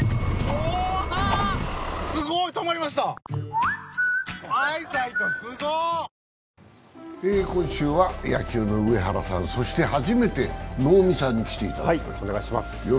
ニトリ今週は野球の上原さん、そして初めて能見さんに来ていただきました。